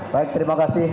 baik terima kasih